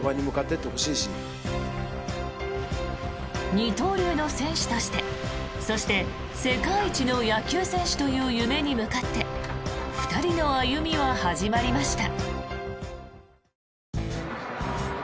二刀流の選手としてそして、世界一の野球選手という夢に向かって２人の歩みは始まりました。